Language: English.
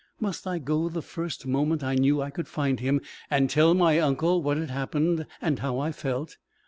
Must I go the first moment I knew I could find him, and tell my uncle what had happened, and how I felt?